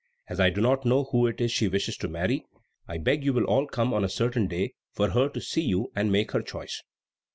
As I do not know who it is she wishes to marry, I beg you will all come on a certain day, for her to see you and make her choice."